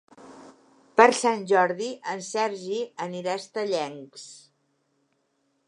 Per Sant Jordi en Sergi anirà a Estellencs.